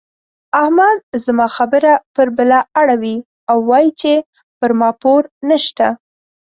احمد زما خبره پر بله اړوي او وايي چې پر ما پور نه شته.